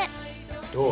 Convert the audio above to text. ・どう？